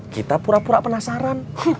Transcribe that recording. kita pura pura penasaran